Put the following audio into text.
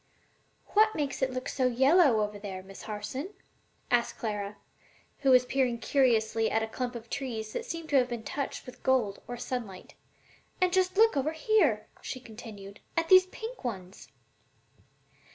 "What makes it look so yellow over there, Miss Harson?" asked Clara, who was peering curiously at a clump of trees that seemed to have been touched with gold or sunlight. "And just look over here," she continued, "at these pink ones!"